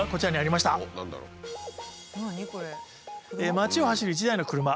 街を走る１台の車。